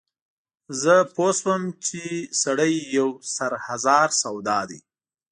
زه پوی شوم چې سړی یو سر هزار سودا دی.